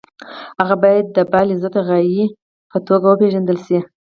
هغه باید د بالذات غایې په توګه وپېژندل شي.